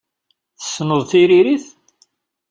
Tessneḍ tiririt?